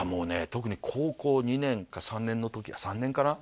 特に高校２年か３年の時３年かな？